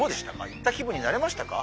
行った気分になれましたか？